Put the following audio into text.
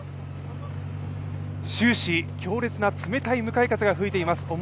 終始、強烈な冷たい向かい風が吹いています。